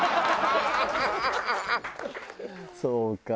そうか。